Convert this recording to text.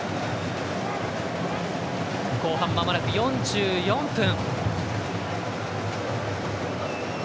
後半まもなく４４分。